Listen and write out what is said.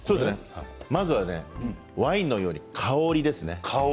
まずはワインのように香りですね。